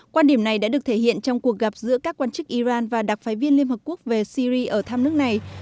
quan điểm này đã được thể hiện trong cuộc gặp giữa các quan chức iran và đặc phái viên liên hợp quốc về syri ở thăm nước này